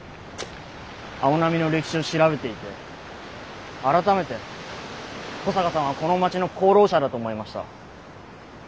青波の歴史を調べていて改めて保坂さんはこの町の功労者だと思いました。